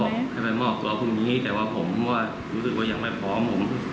ให้ไปมอบตัวพรุ่งนี้แต่ว่าผมว่ารู้สึกว่ายังไม่พร้อมผม